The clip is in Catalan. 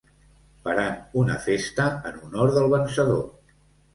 Faran una festa en honor del vencedor.